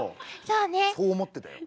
そう思ってたよ。